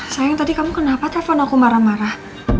sayang tadi kamu kenapa telpon aku marah marah